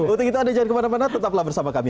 untuk itu anda jangan kemana mana tetaplah bersama kami